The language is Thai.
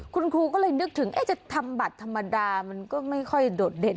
คุณครูก็เลยนึกถึงจะทำบัตรธรรมดามันก็ไม่ค่อยโดดเด่น